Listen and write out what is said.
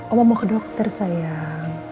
allah mau ke dokter sayang